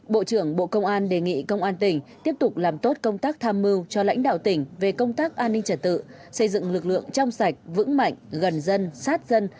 bộ trưởng bộ công an đề nghị công an tỉnh tiếp tục làm tốt công tác tham mưu cho lãnh đạo tỉnh về công tác an ninh trật tự xây dựng lực lượng trong sạch vững mạnh gần dân sát dân